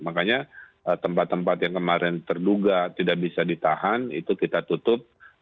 makanya tempat tempat yang kemarin terduga tidak bisa ditahan itu kita tutup